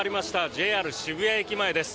ＪＲ渋谷駅前です。